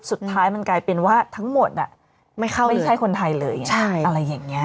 สุดท้ายมันกลายเป็นว่าทั้งหมดไม่ใช่คนไทยเลยไงอะไรอย่างนี้